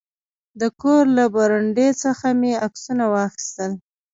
د کور له برنډې څخه مې عکسونه واخیستل.